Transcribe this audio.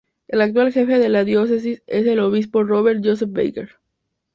El actual jefe de la Diócesis es el Obispo Robert Joseph Baker.